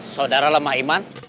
saudara lemah iman